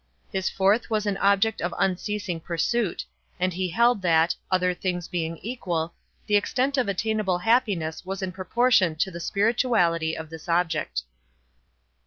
His fourth was an object of unceasing pursuit; and he held that, other things being equal, the extent of attainable happiness was in proportion to the spirituality of this object.